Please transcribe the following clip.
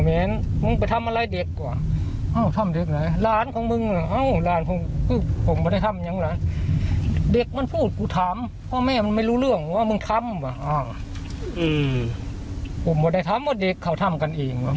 มึงทำว่าอ้าวอืมผมไม่ได้ทำว่าเด็กเขาทำกันเองว่ะ